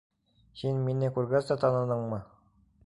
- Һин мине күргәс тә таныныңмы?